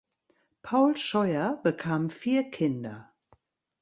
Paul Scheuer bekam vier Kinder.